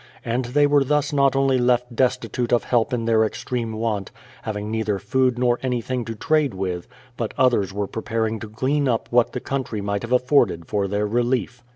And they were thus not only left des titute of help in their extreme want, having neither food not; anything to trade with, but others were preparing to glean up what the country might have afforded for their relief.